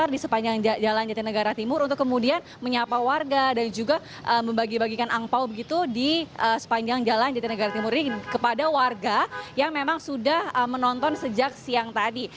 di sepanjang jalan jatinegara timur untuk kemudian menyapa warga dan juga membagi bagikan angpao begitu di sepanjang jalan jatinegara timur ini kepada warga yang memang sudah menonton sejak siang tadi